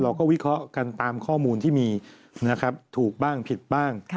เราก็วิเคราะห์กันตามข้อมูลที่มีถูกบ้างผิดบ้าง